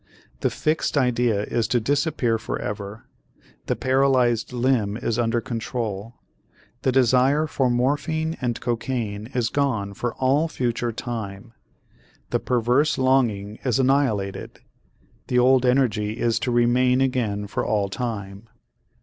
The fixed idea is to disappear forever, the paralyzed limb is under control, the desire for morphine and cocaine is gone for all future time, the perverse longing is annihilated, the old energy is to remain again for all time.